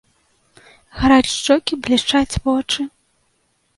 Гараць шчокі, блішчаць вочы.